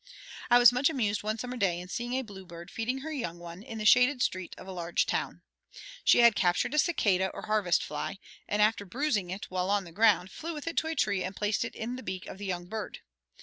I was much amused one summer day in seeing a bluebird feeding her young one in the shaded street of a large town. She had captured a cicada or harvest fly, and after bruising it a while on the ground flew with it to a tree and placed it in the beak of the young bird.